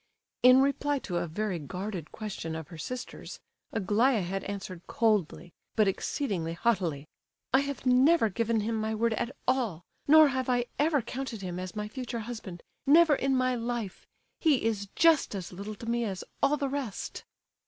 In reply to a very guarded question of her sisters', Aglaya had answered coldly, but exceedingly haughtily: "I have never given him my word at all, nor have I ever counted him as my future husband—never in my life. He is just as little to me as all the rest."